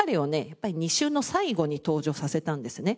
やっぱり２週の最後に登場させたんですね。